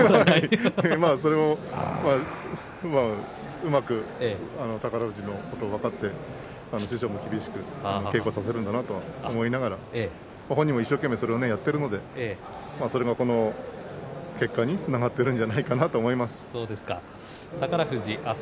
それも、うまく宝富士のことを分かって師匠も厳しく稽古をさせるんだと思って本人も一生懸命、稽古をやっているのでそれが結果につながっているんじゃないかなと思います。